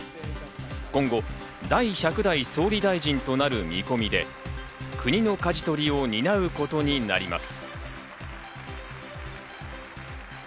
今後、第１００代総理大臣となる見込みで、国の舵取りを担うことになります。